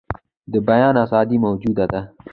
د بیان آزادي موجوده ده.